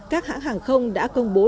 các hãng hàng không đã công bố